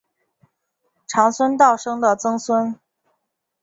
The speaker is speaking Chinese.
长孙道生的曾孙。